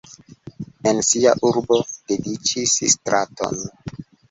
En sia urbo dediĉis straton.